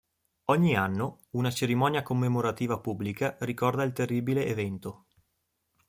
Ogni anno una cerimonia commemorativa pubblica ricorda il terribile evento.